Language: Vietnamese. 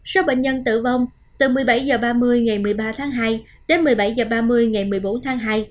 số bệnh nhân tử vong từ một mươi bảy h ba mươi ngày một mươi ba tháng hai đến một mươi bảy h ba mươi ngày một mươi bốn tháng hai